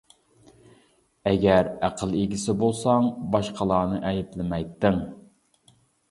ئەگەر ئەقىل ئىگىسى بولساڭ، باشقىلارنى ئەيىبلىمەيتتىڭ.